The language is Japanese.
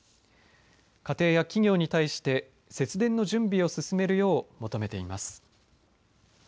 家庭や企業に対して節電の準備を進めるよう求めています。